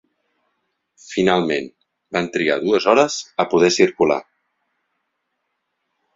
Finalment, van trigar dues hores a poder circular.